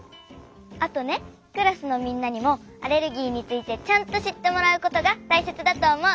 あとねクラスのみんなにもアレルギーについてちゃんとしってもらうことがたいせつだとおもう。